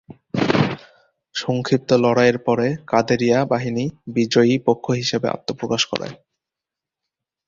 সংক্ষিপ্ত লড়াইয়ের পরে কাদেরিয়া বাহিনী বিজয়ী পক্ষ হিসাবে আত্মপ্রকাশ করে।